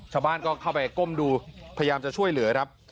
ชาวบ้านก็เข้าไปก้มดูพยายามจะช่วยเหลือครับ